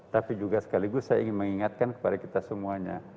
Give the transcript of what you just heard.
tapi juga sekaligus saya ingin mengingatkan kepada kita semuanya